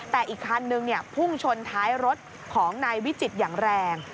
แต่อีกคันนึงพุ่งชนท้ายรถของนายวิจิตรอย่างแรง